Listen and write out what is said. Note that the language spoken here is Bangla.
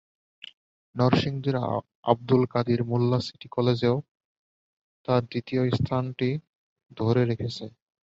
নরসিংদীর আবদুল কাদির মোল্লা সিটি কলেজও তার দ্বিতীয় অবস্থানটি ধরে রেখেছে।